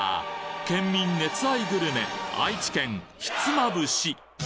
県民熱愛グルメ、愛知県、ひつまぶし。